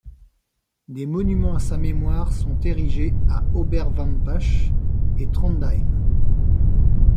Des monuments à sa mémoire sont érigés à Oberwampach et Trondheim.